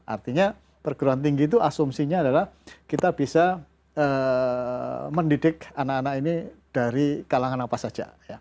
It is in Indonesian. artinya perguruan tinggi itu asumsinya adalah kita bisa mendidik anak anak ini dari kalangan apa saja